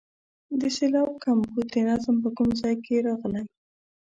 د سېلاب کمبود د نظم په کوم ځای کې راغلی.